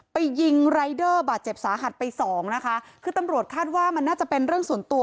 ไปยิงรายเดอร์บาดเจ็บสาหัสไปสองนะคะคือตำรวจคาดว่ามันน่าจะเป็นเรื่องส่วนตัว